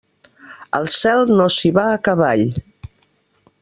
Al cel no s'hi va a cavall.